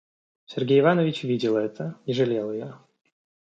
Сергей Иванович видел это и жалел ее.